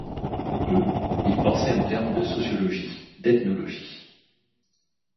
Eux, ils pensaient en termes de sociologie, d'ethnologie.